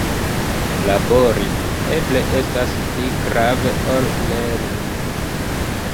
Labori eble estas pli grave ol lerni.